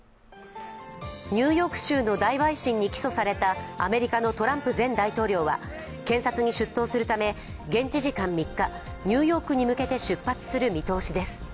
ニューヨーク州の大陪審に起訴されたアメリカのトランプ前大統領は検察に出頭するため、現地時間３日ニューヨークに向けて出発する見通しです。